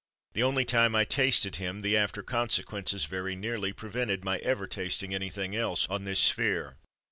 The only time I tasted him, the after consequences very nearly prevented my ever tasting anything else, on this sphere.